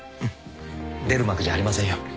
出る幕じゃありませんよ。